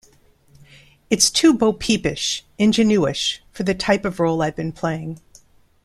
It's too bo-peepish, ingenueish, for the type of role I've been playing.